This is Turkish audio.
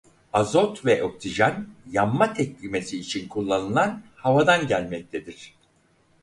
Azot ve oksijen yanma tepkimesi için kullanılan havadan gelmektedir.